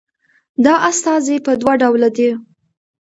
دا استازي په دوه ډوله ده